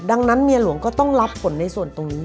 ดังนั้นเมียหลวงก็ต้องรับผลในส่วนตรงนี้